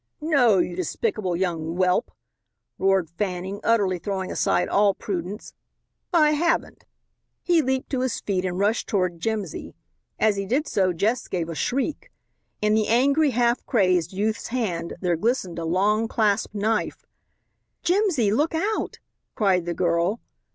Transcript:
"No, you despicable young whelp!" roared Fanning, utterly throwing aside all prudence. "I haven't." He leaped to his feet and rushed toward Jimsy. As he did so Jess gave a shriek. In the angry, half crazed youth's hand there glistened a long clasp knife. "Jimsy! Look out!" cried the girl.